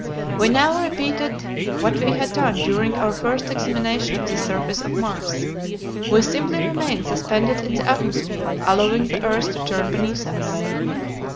We now repeated what we had done during our first examination of the surface of Mars. We simply remained suspended in the atmosphere, allowing the earth to turn beneath us.